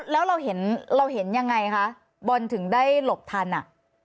แล้วเราเห็นเราเห็นยังไงคะบอลถึงได้หลบทันอ่ะ